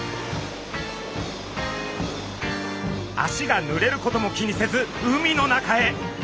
足がぬれることも気にせず海の中へ。